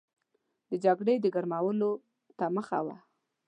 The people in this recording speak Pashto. د جګړې د ګرمولو ته مخه وه.